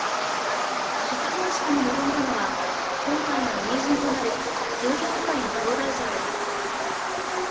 出陣式に臨んだのは今回が初陣となる１４歳の総大将です。